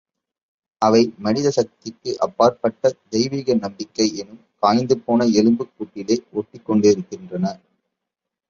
அவை, மனித சக்திக்கு அப்பாற்பட்ட தெய்வீக நம்பிக்கை என்னும் காய்ந்துபோன எலும்புக் கூட்டிலேயே ஒட்டிக் கொண்டிருக்கின்றன.